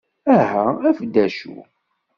Aha af-d d acu!